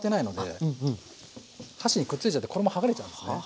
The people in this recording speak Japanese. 箸にくっついちゃって衣はがれちゃうんですね。